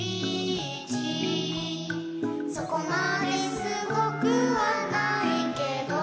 「そこまですごくはないけど」